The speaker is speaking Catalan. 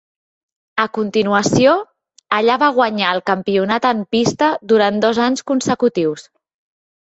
A continuació, allà va guanyar el campionat en pista durant dos anys consecutius.